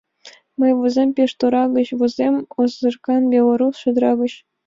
Мый возем пеш тора гыч, Возем озыркан белорус чодыра гыч.